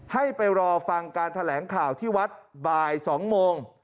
ให้ไปรอฟังการแถลงข่าวที่วัดบ่าย๒โมง